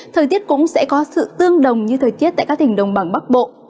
thời tiết cũng sẽ có sự tương đồng như thời tiết tại các tỉnh đồng bằng bắc bộ